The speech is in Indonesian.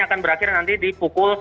akan berakhir nanti di pukul